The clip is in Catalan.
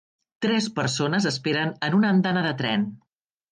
Tres persones esperen en una andana de tren.